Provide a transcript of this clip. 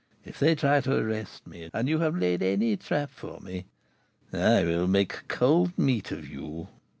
If they try to arrest me, and you have laid any trap for me, I will make 'cold meat' of you."